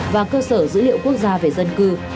và cơ sở dữ liệu quốc gia về dân cư